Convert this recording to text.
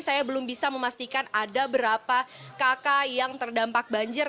saya belum bisa memastikan ada berapa kakak yang terdampak banjir